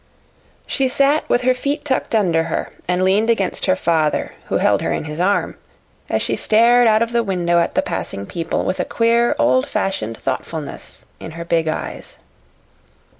She sat with her feet tucked under her, and leaned against her father, who held her in his arm, as she stared out of the window at the passing people with a queer old fashioned thoughtfulness in her big eyes.